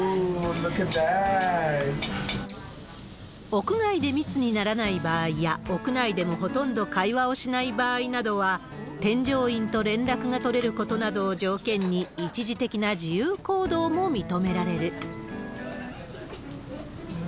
屋外で密にならない場合や、屋内でもほとんど会話をしない場合などは、添乗員と連絡が取れることなどを条件に、一時的な自由行動も認められる。